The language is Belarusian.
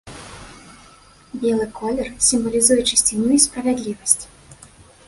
Белы колер сімвалізуе чысціню і справядлівасць.